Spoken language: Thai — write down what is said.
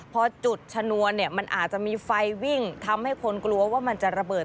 พอจุดชนวนเนี่ยมันอาจจะมีไฟวิ่งทำให้คนกลัวว่ามันจะระเบิด